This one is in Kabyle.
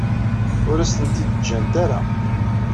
Ur asen-tent-id-ǧǧant ara.